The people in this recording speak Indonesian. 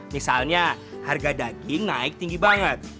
misalnya harga daging naik tinggi banget